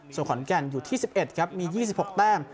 ส่วนขอนแก่นอยู่ที่สิบเอ็ดครับมียี่สิบหกแต้ม